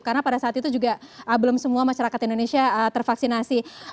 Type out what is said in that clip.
karena pada saat itu juga belum semua masyarakat indonesia tervaksinasi